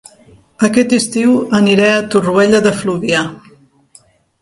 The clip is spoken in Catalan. Aquest estiu aniré a Torroella de Fluvià